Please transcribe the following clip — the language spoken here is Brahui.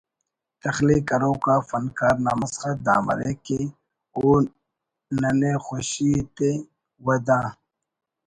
تخلیق کروک آ فنکار نا مسخت دا مریک کہ او ننے خوشی ایتے و دا